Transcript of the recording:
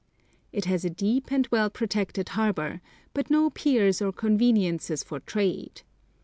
It has a deep and well protected harbour, but no piers or conveniences for trade.